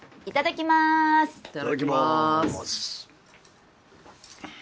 いただきます。